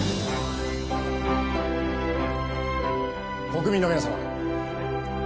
国民の皆様